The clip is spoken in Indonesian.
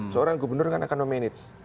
seorang gubernur kan akan memanage